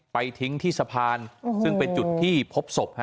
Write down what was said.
ไปทิ้งที่สะพานซึ่งเป็นจุดที่พบศพ